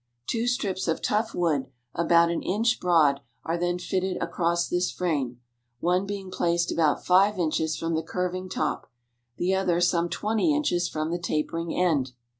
Two strips of tough wood about an inch broad are then fitted across this frame, one being placed about five inches from the curving top, the other some twenty inches from the tapering end.